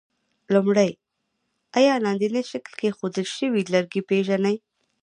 لومړی: آیا لاندیني شکل کې ښودل شوي لرګي پېژنئ؟